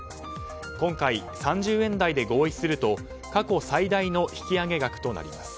今回、３０円台で合意すると過去最大の引き上げ額となります。